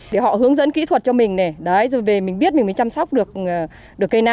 để họ hướng dẫn kỹ thuật cho mình này đấy rồi về mình biết mình mới chăm sóc được cây na